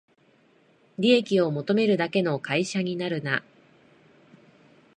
利益を求めるだけの会社になるな